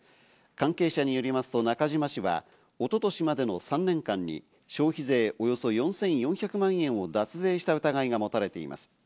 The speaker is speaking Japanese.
関係者によりますと中嶋氏は一昨年までの３年間に消費税およそ４４００万円を脱税した疑いがもたれています。